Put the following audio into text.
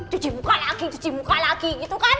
cuci muka lagi cuci muka lagi gitu kan